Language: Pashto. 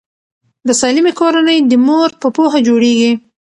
د سالمې کورنۍ د مور په پوهه جوړیږي.